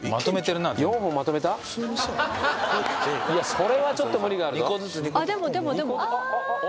それはちょっと無理があるぞあ